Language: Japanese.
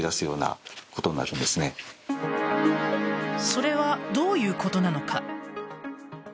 それは、どういうことなのか。